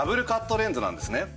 レンズなんですね。